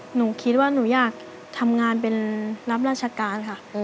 หนูคิดว่าหนูอยากทำงานเป็นรับราชการค่ะ